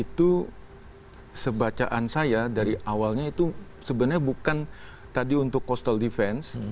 itu sebacaan saya dari awalnya itu sebenarnya bukan tadi untuk coastal defense